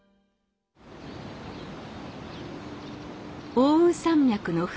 奥羽山脈の麓。